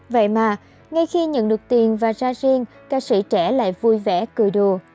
vậy mà ngay khi nhận được tiền và ra riêng ca sĩ trẻ lại vui vẻ cười đồ